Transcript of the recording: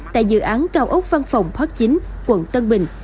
tại dự án cao ốc văn phòng park chín quận tân bình